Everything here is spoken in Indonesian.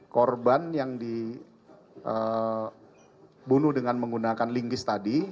korban yang dibunuh dengan menggunakan lingkis tadi